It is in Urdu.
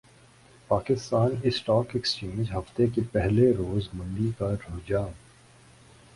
پاکستان اسٹاک ایکسچینج ہفتے کے پہلے روز مندی کا رحجان